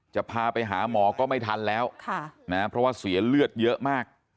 จะพาไปหาหมอก็ไม่ทันแล้วเพราะว่าเสียเลือดเยอะมาก